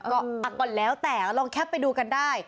ก็ก่อนแล้วแต่ลองแคปไปดูกันได้